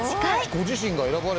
ご自身が選ばれてる。